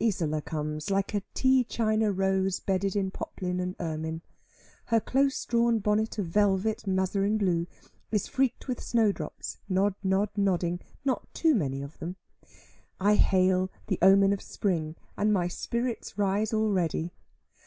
Isola comes, like a tea china rose bedded in poplin and ermine. Her close drawn bonnet of velvet, mazarin blue, is freaked with snowdrops, nod, nod, nodding, not too many of them. I hail the omen of spring, and my spirits rise already.